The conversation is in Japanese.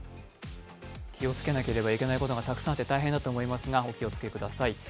気をつけなければいけないことがたくさんあって大変ですがお気をつけください。